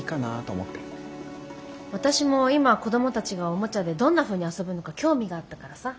私も今子どもたちがおもちゃでどんなふうに遊ぶのか興味があったからさ。